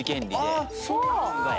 ああそうなんだ。